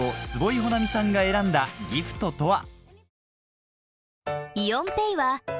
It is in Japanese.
坪井保菜美さんが選んだギフトとは？